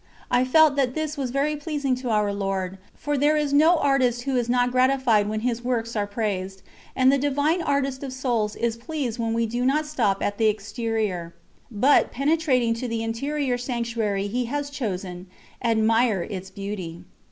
I felt that this was very pleasing to Our Lord, for there is no artist who is not gratified when his works are praised, and the Divine Artist of souls is pleased when we do not stop at the exterior, but, penetrating to the inner sanctuary He has chosen, admire its beauty.